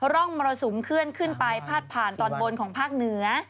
ร่องมรสุมเคลื่อนขึ้นไปพาดผ่านตอนบนของภาคเหนือ